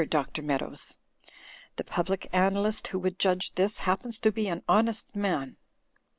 Dr. Meadows. The Public Analyst who would judge this, happens to be an honest man.